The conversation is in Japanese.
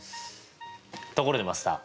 ところでマスター。